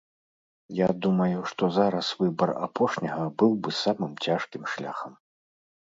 Я думаю, што зараз выбар апошняга быў бы самым цяжкім шляхам.